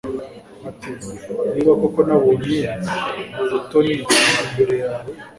ati niba koko nabonye ubutoni imbere yawe